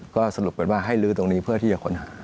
ก็สรุปกันว่าให้ลื้อตรงนี้เพื่อที่จะค้นหา